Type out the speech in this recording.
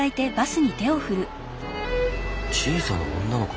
小さな女の子。